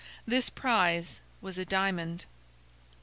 This prize was a diamond.